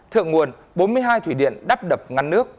thượng nguồn bốn mươi hai thủy điện đắp đập ngăn nước